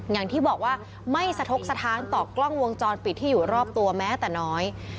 อย่างที่บอกว่าไม่สะทกสถานต่อกล้องวงจรปิดที่อยู่รอบตัวแม้แต่น้อย